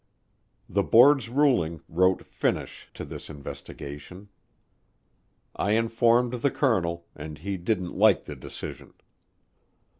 The board's ruling wrote finish to this investigation. I informed the colonel, and he didn't like the decision.